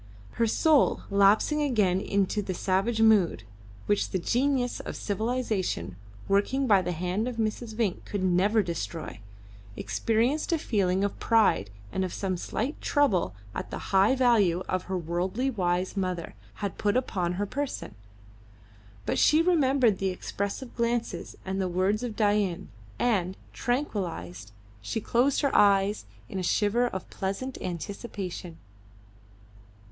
Her soul, lapsing again into the savage mood, which the genius of civilisation working by the hand of Mrs. Vinck could never destroy, experienced a feeling of pride and of some slight trouble at the high value her worldly wise mother had put upon her person; but she remembered the expressive glances and words of Dain, and, tranquillised, she closed her eyes in a shiver of pleasant anticipation.